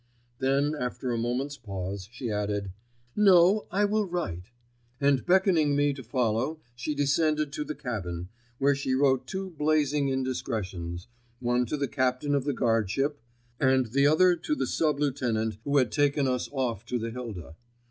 Then after a moment's pause she added, "No; I will write," and beckoning me to follow she descended to the cabin, where she wrote two blazing indiscretions, one to the Captain of the guardship and the other to the sublieutenant who had taken us off to the Hilda.